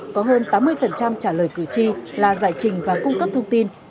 có hơn tám mươi trả lời cử tri là giải trình và cung cấp thông tin